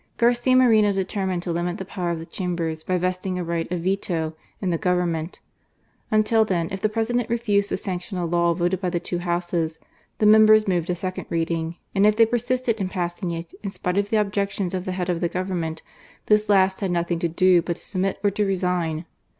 Garcia Moreno determined to limit the power of the Chambers by vesting a right of veto in 214 GARCIA MORENO. ^he ' Government, Until then, if the President rbfused to sanction a law voted by the two Honses, tifie Members moved a second reading; and if they J^rsisted in passing it, in spite of the objections of the head of the Government, this last had nothing to dp but tb submit or to resign.